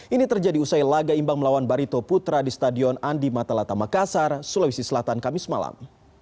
ini terjadi usai laga imbang melawan barito putra di stadion andi matalata makassar sulawesi selatan kamis malam